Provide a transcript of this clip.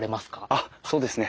あっそうですね